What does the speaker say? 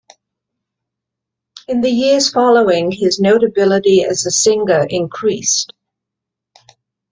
In the years following, his notability as a singer increased.